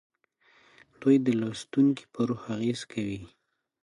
دوی د لوستونکي په روح اغیز کوي.